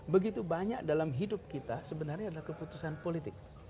begitu banyak dalam hidup kita sebenarnya adalah keputusan politik